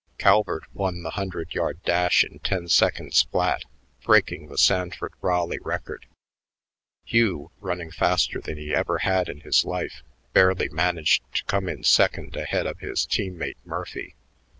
Calvert won the hundred yard dash in ten seconds flat, breaking the Sanford Raleigh record. Hugh, running faster than he ever had in his life, barely managed to come in second ahead of his team mate Murphy.